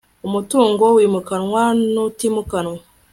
umutungo wimukanwa n'utimukanwa